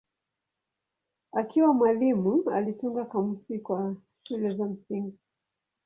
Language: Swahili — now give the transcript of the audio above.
Akiwa mwalimu alitunga kamusi kwa shule za msingi.